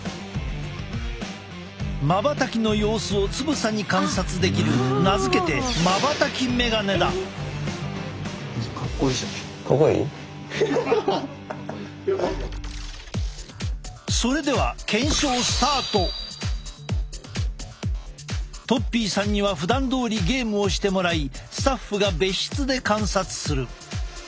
まばたきの様子をつぶさに観察できる名付けてとっぴーさんにはふだんどおりゲームをしてもらいスタッフが別室で観察する。